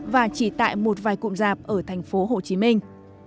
và chỉ tại một vài cụm rạp ở thành phố hồ chí minh